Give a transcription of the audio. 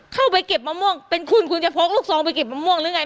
เข้าไปเก็บมะม่วงเป็นคุณคุณจะพกลูกซองไปเก็บมะม่วงหรือไง